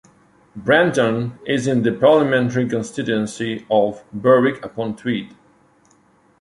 Branton is in the parliamentary constituency of Berwick-upon-Tweed.